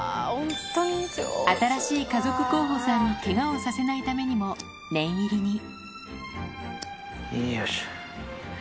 新しい家族候補さんにケガをさせないためにも念入りにいよいしょ。